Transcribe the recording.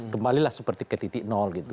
kembalilah seperti ke titik nol gitu